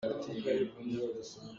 Aa pheo nak thla thum a si cang.